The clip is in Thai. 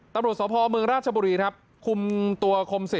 ตำรวจสพเมืองราชบุรีครับคุมตัวคมศิษ